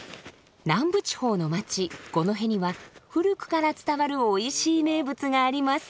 南部地方の町五戸には古くから伝わるおいしい名物があります。